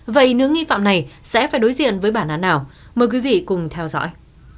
vậy nếu nghi phạm này sẽ phải đối diện với bản án nào mời quý vị cùng theo dõi